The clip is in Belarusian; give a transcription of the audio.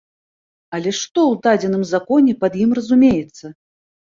Але што ў дадзеным законе пад ім разумеецца?